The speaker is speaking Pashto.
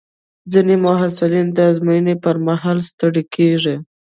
ځینې محصلین د ازموینو پر مهال ستړي کېږي.